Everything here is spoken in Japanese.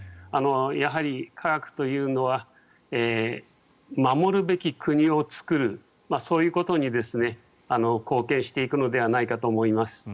やはり科学というのは守るべき国を作るそういうことに貢献していくのではないかと思います。